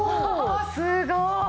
すごい！